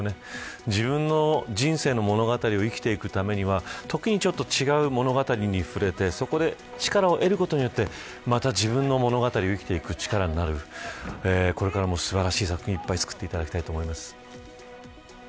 自分の人生の物語を生きていくためには時に、違う物語に触れて力を得ることで自分の物語を生きていく力になるこれからも素晴らしい作品いっぱいつくっていただきたいと思います。